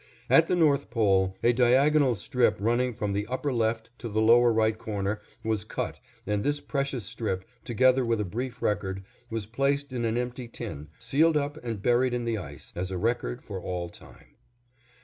At the North Pole a diagonal strip running from the upper left to the lower right corner was cut and this precious strip, together with a brief record, was placed in an empty tin, sealed up and buried in the ice, as a record for all time.